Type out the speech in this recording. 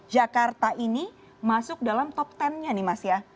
jakarta ini masuk dalam top tennya nih mas ya